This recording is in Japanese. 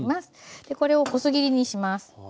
でこれを細切りにします。